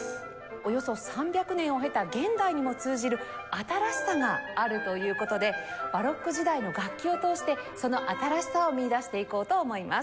およそ３００年を経た現代にも通じる新しさがあるという事でバロック時代の楽器を通してその新しさを見いだしていこうと思います。